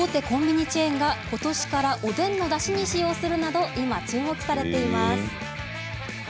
コンビニチェーンがことしからおでんのだしに使用するなど今、注目されています。